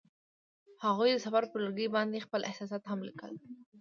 هغوی د سفر پر لرګي باندې خپل احساسات هم لیکل.